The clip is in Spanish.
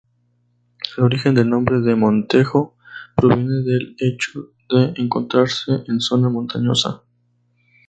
El origen del nombre de Montejo proviene del hecho de encontrarse en zona montañosa.